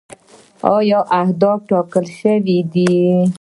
آیا اهداف ټاکل شوي دي؟